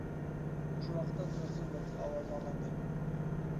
مۇشۇ ۋاقىتتا تۇيۇقسىز مىلتىق ئاۋازى ئاڭلاندى.